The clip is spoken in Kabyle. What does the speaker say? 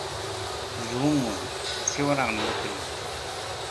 Deg wemwan, ttiwriɣen wafriwen.